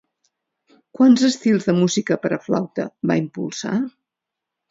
Quants estils de música per a flauta va impulsar?